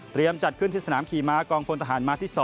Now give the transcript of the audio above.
จัดขึ้นที่สนามขี่ม้ากองพลทหารมาที่๒